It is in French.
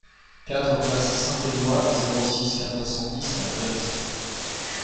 quatre place Saint-Eloi, zéro six, quatre cent dix à Biot